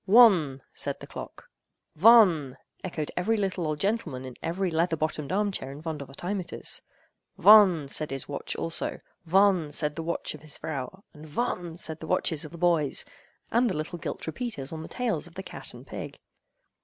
"One!" said the clock. "Von!" echoed every little old gentleman in every leather bottomed arm chair in Vondervotteimittiss. "Von!" said his watch also; "von!" said the watch of his vrow; and "von!" said the watches of the boys, and the little gilt repeaters on the tails of the cat and pig.